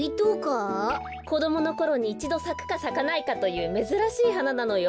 こどものころにいちどさくかさかないかというめずらしいはななのよ。